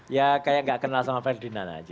ya kayak gak kenal sama ferdinand aja